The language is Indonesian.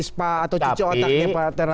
spa atau cuco otaknya pak terawan